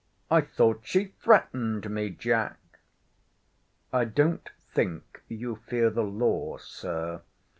I thought she threatened me, Jack. I don't think you fear the law, Sir.